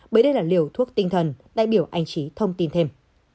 bởi đây là liều thuốc tinh thần đại biểu anh trí thông tin thêm